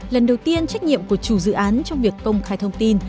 lần đầu tiên trách nhiệm của chủ dự án trong việc công khai thông tin